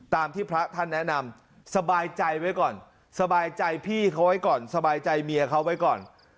ตามที่พระท่านแนะนำสบายใจไว้ก่อนสบายใจพี่เขาไว้ก่อนสบายใจเมียเขาไว้ก่อน